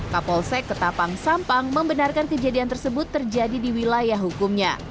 kapolsek ketapang sampang membenarkan kejadian tersebut terjadi di wilayah hukumnya